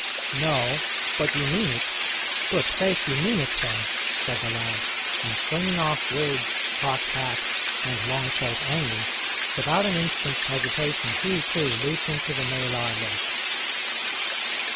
"No; but you mean it good faith, you mean it, then," said the lad, and flinging off wig, cocked hat, and long coat only, without an instant's hesitation he, too, leaped into the Maelar Lake.